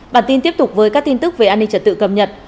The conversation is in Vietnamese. bản tin tiếp tục với các tin tức về an ninh trật tự cập nhật